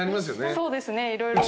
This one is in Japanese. そうですね色々。